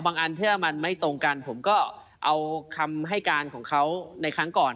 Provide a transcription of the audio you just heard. อันถ้ามันไม่ตรงกันผมก็เอาคำให้การของเขาในครั้งก่อน